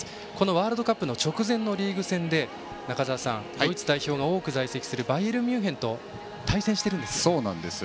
ワールドカップの直前のリーグ戦でドイツ代表が多く在籍するバイエルンミュンヘンと対戦しているんです。